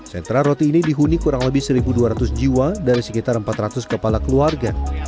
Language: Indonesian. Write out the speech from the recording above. sentra roti ini dihuni kurang lebih satu dua ratus jiwa dari sekitar empat ratus kepala keluarga